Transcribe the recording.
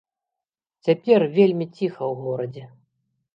Цяпер вельмі ціха ў горадзе.